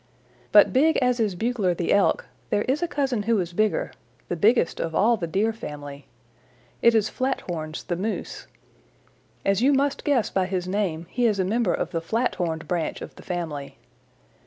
"But big as is Bugler the Elk, there is a cousin who is bigger, the biggest of all the Deer family. It is Flathorns the Moose. As you must guess by his name he is a member of the flat horned branch of the family.